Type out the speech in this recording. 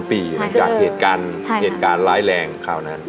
๓ปีหลังจากเหตุการณ์ร้ายแรงคราวนั้น